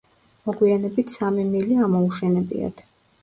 მოგვიანებით სამი მილი ამოუშენებიათ.